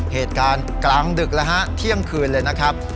เหตุการณ์กลางดึกแล้วฮะเที่ยงคืนเลยนะครับ